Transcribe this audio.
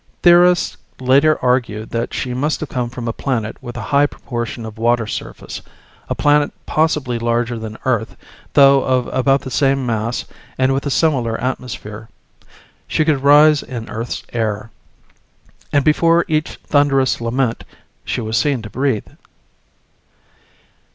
Theorists later argued that she must have come from a planet with a high proportion of water surface, a planet possibly larger than Earth though of about the same mass and with a similar atmosphere. She could rise in Earth's air. And before each thunderous lament she was seen to breathe.